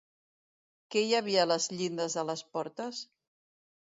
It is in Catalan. Què hi havia a les llindes de les portes?